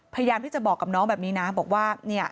พยายามที่จะบอกกับน้องแบบนี้นะบอกว่า